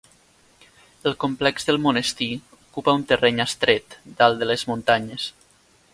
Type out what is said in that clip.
El complex del monestir ocupa un terreny estret, dalt de les muntanyes.